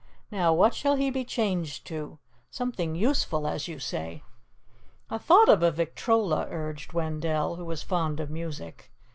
Now what shall he be changed to? Something useful, as you say." "I thought of a victrola," urged Wendell, who was fond of music.